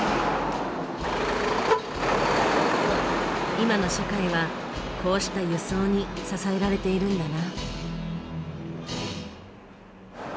今の社会はこうした輸送に支えられているんだな。